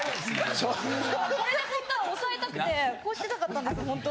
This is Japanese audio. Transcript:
これでホントはおさえたくてこうしてたかったんですホント。